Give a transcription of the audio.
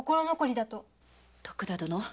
徳田殿。